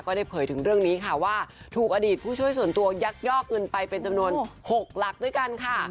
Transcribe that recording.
ได้เผยถึงเรื่องนี้ค่ะว่าถูกอดีตผู้ช่วยส่วนตัวยักยอกเงินไปเป็นจำนวน๖หลักด้วยกันค่ะ